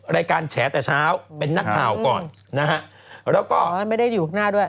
รายการแฉแต่เช้าเป็นนักข่าวก่อนนะฮะแล้วก็